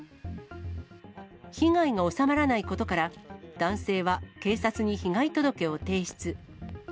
被害が収まらないことから、男性は警察に被害届を提出。